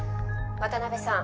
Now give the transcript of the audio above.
「渡邊さん